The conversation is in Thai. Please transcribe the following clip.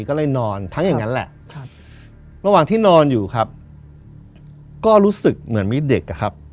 ก็เลยนอนทั้งอย่างนั้นแหละครับระหว่างที่นอนอยู่ครับก็รู้สึกเหมือนมีเด็กอะครับ